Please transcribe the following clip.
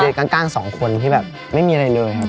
เด็กก็ข้าง๒คนที่แบบไม่มีอะไรเลยครับ